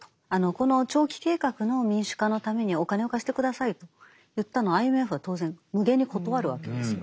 この長期計画の民主化のためにお金を貸して下さいと言ったのをＩＭＦは当然むげに断るわけですよ。